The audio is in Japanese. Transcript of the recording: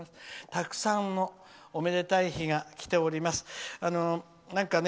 たくさんのおめでたい日が来ております。